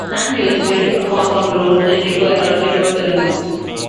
Sand dunes build up on roads and require a lot of effort to remove.